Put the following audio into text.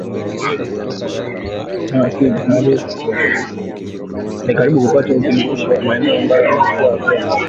yakijaribu kupata udhibiti wa maeneo ambayo yaliwahi kuwa na amani huko Afrika magharibi